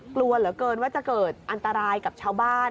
กลัวเหลือเกินว่าจะเกิดอันตรายกับชาวบ้าน